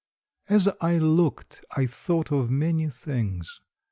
As I looked I thought of many things.